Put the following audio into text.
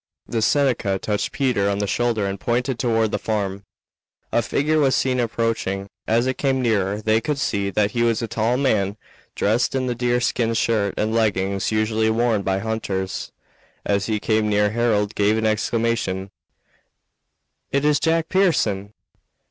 The Seneca touched Peter on the shoulder and pointed toward the farm. A figure was seen approaching. As it came nearer they could see that he was a tall man, dressed in the deerskin shirt and leggings usually worn by hunters. As he came near Harold gave an exclamation: "It is Jack Pearson!"